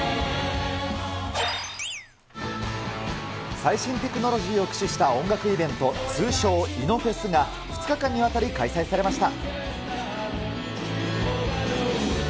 最新テクノロジーを駆使した音楽イベント、通称、イノフェスが２日間にわたり開催されました。